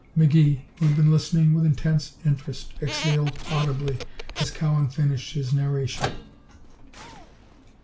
McGee, who had been listening with intense interest, exhaled audibly as Cowan finished his narration.